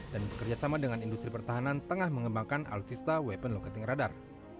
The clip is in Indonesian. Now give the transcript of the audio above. dan bekerjasama dengan industri pertahanan tengah mengembangkan alutsista weapon locating radar